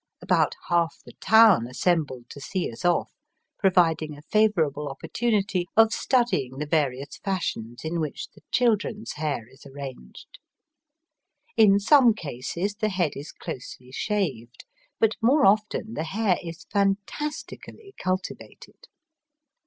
About half the town assembled to see us off, providing a favourable oppor tunity of studying the various fashions in which the children's hair is arranged. In some cases the head is closely shaved, but more often the hair is fantastically cultivated.